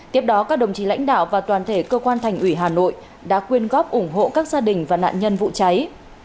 tiếp đó các đồng chí lãnh đạo và toàn thể cơ quan thành ủy hà nội đã quyên góp ủng hộ các gia đình và nạn nhân vụ cháy